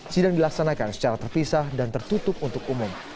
sidang dilaksanakan secara terpisah dan tertutup untuk umum